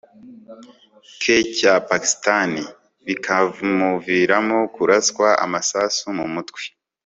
ke cya pakistani bikamuviramo kuraswa amasasu mu mutwe